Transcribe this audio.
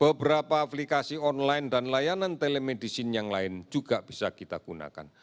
beberapa aplikasi online dan layanan telemedicine yang lain juga bisa kita gunakan